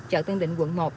chợ tân định quận một